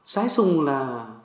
sái sùng là